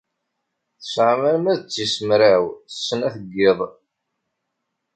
Tesɛamt arma d tis mraw snat n yiḍ.